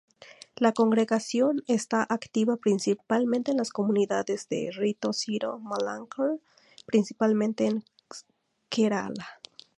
La congregación está activa principalmente en las comunidades de rito siro-malankar, principalmente en Kerala.